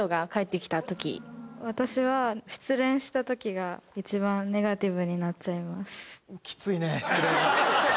私は。が一番ネガティブになっちゃいます。